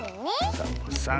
サボさん。